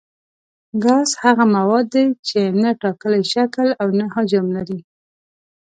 ګاز هغه مواد دي چې نه ټاکلی شکل او نه حجم لري.